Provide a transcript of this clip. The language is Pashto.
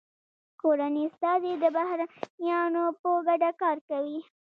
کورني استازي د بهرنیانو په ګټه کار کوي